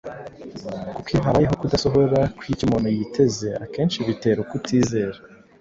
kuko iyo habayeho kudasohora kw’icyo umuntu yiteze akenshi bitera ukutizera.